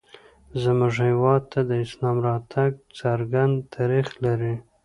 زموږ هېواد ته د اسلام راتګ څرګند تاریخ لري